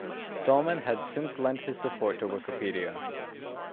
Stallman has since lent his support to Wikipedia.